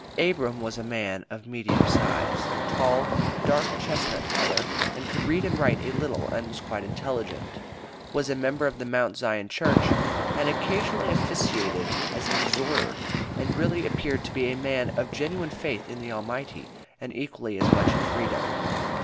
Abram was a man of medium size, tall, dark chestnut color, and could read and write a little and was quite intelligent; "was a member of the Mount Zion Church," and occasionally officiated as an "exhorter," and really appeared to be a man of genuine faith in the Almighty, and equally as much in freedom.